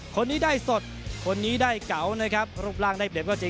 คนนี้ได้สดก็ได้เการูปร่างได้เปลี่ยนก็เจริญ